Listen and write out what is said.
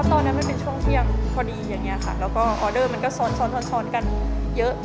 ตอนนี้มันเป็นช่องเที่ยงพอดีค่ะแล้วก็ออเดอร์มันก็ซ้อนซ้อนซ้อนซ้อนซ้อนกันเยอะ